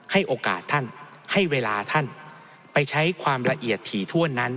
ให้โอกาสท่านให้เวลาท่านไปใช้ความละเอียดถี่ถ้วนนั้น